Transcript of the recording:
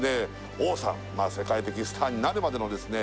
王さんまあ世界的スターになるまでのですね